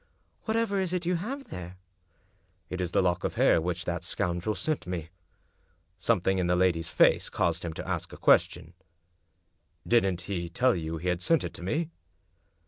"Whatever is it you have there?" '* It is the lock of hair which that scoundrel sent me. Something in the lady's face caused him to ask a question: " Didn't he tell you he had sent it to me?"